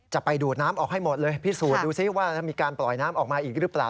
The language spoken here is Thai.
ไปดูดน้ำออกให้หมดเลยพิสูจน์ดูซิว่ามีการปล่อยน้ำออกมาอีกหรือเปล่า